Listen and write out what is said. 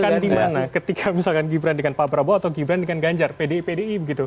akan dimana ketika misalkan gibran dengan pak prabowo atau gibran dengan ganjar pdi pdi begitu